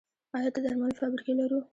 آیا د درملو فابریکې لرو؟